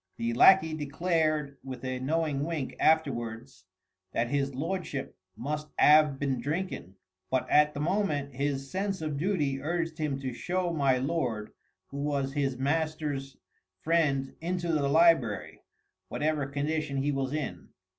The lacquey declared with a knowing wink afterwards that his lordship must 'ave been drinkin'! But at the moment his sense of duty urged him to show my lord who was his master's friend into the library, whatever condition he was in.